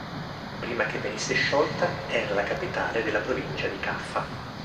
Prima che venisse sciolta, era la capitale della provincia di Caffa.